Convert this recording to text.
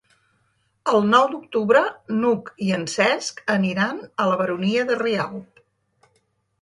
El nou d'octubre n'Hug i en Cesc aniran a la Baronia de Rialb.